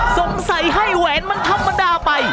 สงสัยให้แหวนมันธรรมดาไป